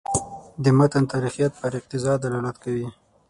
د متن تاریخیت پر اقتضا دلالت کوي.